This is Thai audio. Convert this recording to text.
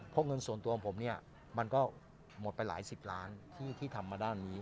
เพราะเงินส่วนตัวของผมเนี่ยมันก็หมดไปหลายสิบล้านที่ทำมาด้านนี้